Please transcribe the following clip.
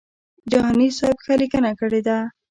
جهاني سیب ښه لیکنه کړې ده.